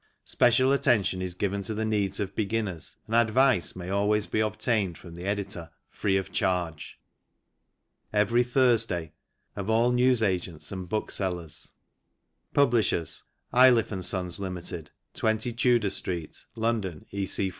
Special attention is given to the needs of beginners, and ad vice may always be obtained from the Editor, free of charge. EVERY THURSDAY of all Newsagents and Booksellers. Publishers : ILIFFE & SONS. LIMITED 20 Tudor Street, London, E.C.